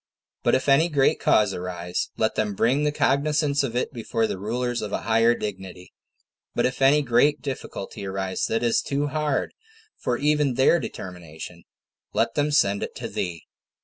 But if any great cause arise, let them bring the cognizance of it before the rulers of a higher dignity; but if any great difficulty arise that is too hard for even their determination, let them send it to thee.